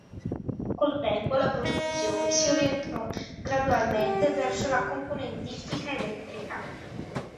Col tempo la produzione si orientò gradualmente verso la componentistica elettrica.